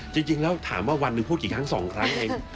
จริงแล้วถามว่าวันหนึ่งพูดกี่ครั้งสองครั้งเอง